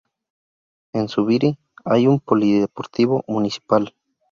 En Zubiri hay un polideportivo municipal.